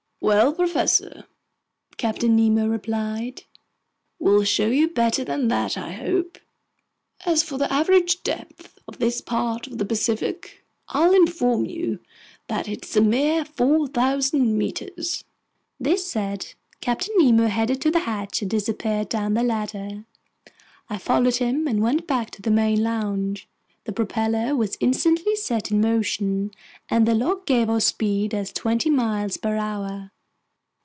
"Well, professor," Captain Nemo replied, "we'll show you better than that, I hope. As for the average depth of this part of the Pacific, I'll inform you that it's a mere 4,000 meters." This said, Captain Nemo headed to the hatch and disappeared down the ladder. I followed him and went back to the main lounge. The propeller was instantly set in motion, and the log gave our speed as twenty miles per hour.